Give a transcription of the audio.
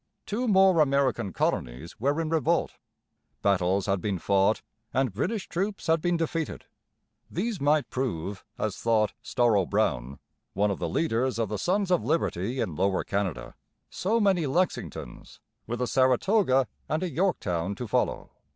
Two more American colonies were in revolt. Battles had been fought and British troops had been defeated. These might prove, as thought Storrow Brown, one of the leaders of the 'Sons of Liberty' in Lower Canada, so many Lexingtons, with a Saratoga and a Yorktown to follow.